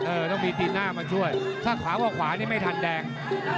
ต้องมีตีนหน้ามาช่วยถ้าขวาว่าขวานี่ไม่ทันแดง